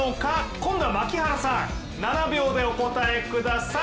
今度は槙原さん７秒でお答えください。